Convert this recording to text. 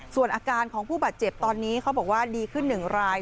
ส่วนอาการของผู้บาดเจ็บตอนนี้เขาบอกว่าดีขึ้น๑ราย